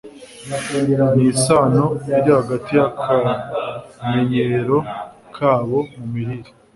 nisano iri hagati yakamenyero kabo mu mirire